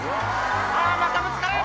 あまたぶつかる！